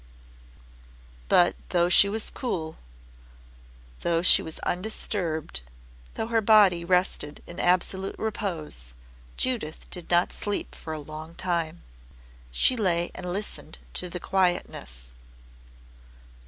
But though she was cool, though she was undisturbed, though her body rested in absolute repose, Judith did not sleep for a long time. She lay and listened to the quietness.